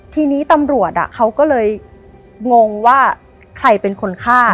ทีนี้ตำรวจเขาก็เลยงงว่าใครเป็นคนฆ่า